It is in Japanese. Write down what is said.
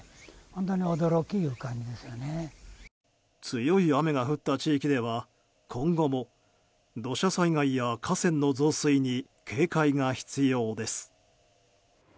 強い雨が降った地域では今後も土砂災害や河川の増水に警戒が必要です。